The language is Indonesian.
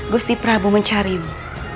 gusti prabu mencarimu